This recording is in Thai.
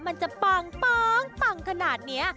มันจะปังขนาดนี้